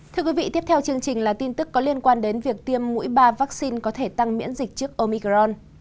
thưa quý vị tiếp theo chương trình là tin tức có liên quan đến việc tiêm mũi ba vaccine có thể tăng miễn dịch trước omicron